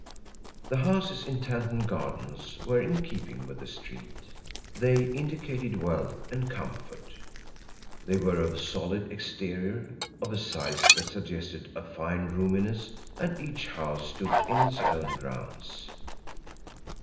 The houses in Tanton Gardens were in keeping with the street: they indicated wealth and comfort. They were of solid exterior, of a size that suggested a fine roominess, and each house stood in its own grounds.